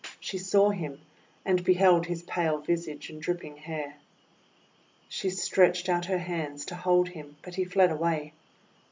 She saw him, and beheld his pale visage and dripping hair. She stretched out her hands to hold him, but he fled away.